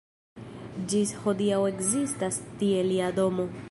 Ĝis hodiaŭ ekzistas tie lia domo.